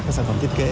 cái sản phẩm thiết kế